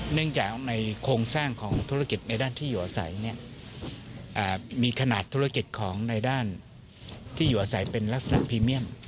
เนื่องจากในโครงสร้างของธุรกิจในด้านที่อยู่อาศัยเนี่ยมีขนาดธุรกิจของในด้านที่อยู่อาศัยเป็นลักษณะพรีเมียม